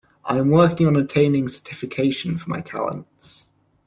I am working on attaining certification for my talents.